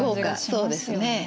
そうですね。